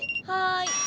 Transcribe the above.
はい。